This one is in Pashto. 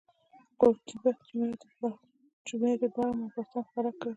قورطیبه جومات یې برم او پرتم ښکاره کوي.